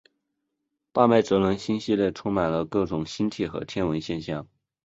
大麦哲伦星系内充满了各种星体和天文现象。